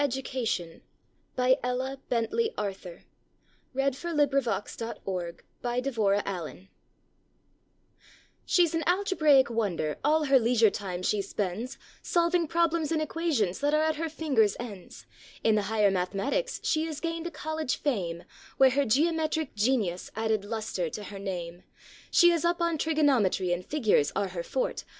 Digitized by Google THE CENTER OF THE UNIVERSE The Higher Educati CHE'S an algebraic wonder; all her leisure time she spends Solving problems in equations that are at her fingers' ends. In the higher mathematics she has gained a college fame. Where her geometric genius added luster to her name. She is up on trigonometry, and fig ures arc her forte.